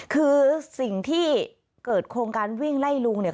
คือสิ่งที่เกิดโครงการวิ่งไล่ลุงเนี่ย